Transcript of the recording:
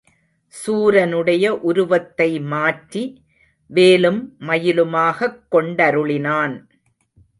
சூரனுடைய உருவத்தை மாற்றி வேலும் மயிலுமாகக் கொண்டருளினான்.